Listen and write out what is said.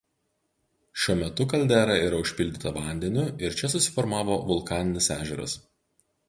Šiuo metu kaldera yra užpildyta vandeniu ir čia susiformavo vulkaninis ežeras.